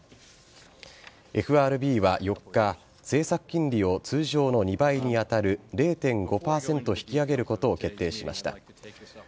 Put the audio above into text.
ＦＲＢは４日政策金利を通常の２倍に当たる０．５％引き上げることを決定しました。